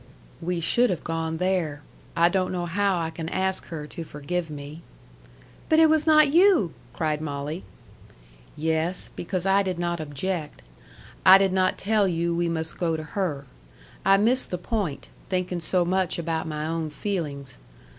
"We should have gone there. I don't know how I can ask her to forgive me." "But it was not you!" cried Molly. "Yes. Because I did not object. I did not tell you we must go to her. I missed the point, thinking so much about my own feelings.